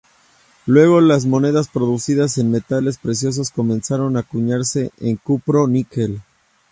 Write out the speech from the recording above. Luego las monedas producidas en metales preciosos comenzaron a acuñarse en cupro-níquel.